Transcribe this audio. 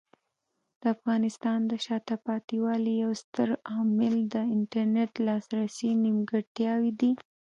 د افغانستان د شاته پاتې والي یو ستر عامل د انټرنیټ لاسرسي نیمګړتیاوې دي.